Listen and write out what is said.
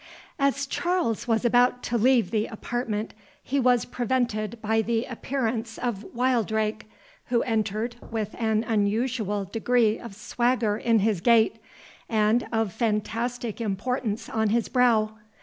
As Charles was about to leave the apartment, he was prevented by the appearance of Wildrake, who entered with an unusual degree of swagger in his gait, and of fantastic importance on his brow.